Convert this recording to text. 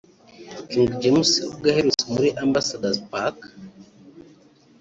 King James ubwo aherutse muri Ambassador's Park